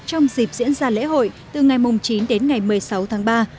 trong dịp diễn ra lễ hội từ ngày chín đến ngày một mươi sáu tháng ba